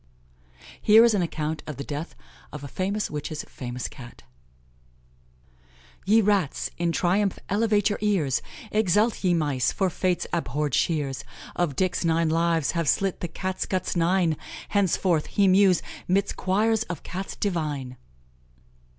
Here is an account of the death of a famous witch's famous Cat: "Ye rats, in triumph elevate your ears! Exult, ye mice! for Fate's abhorred shears Of Dick's nine lives have slit the Cat guts nine; Henceforth he mews 'midst choirs of Cats divine!"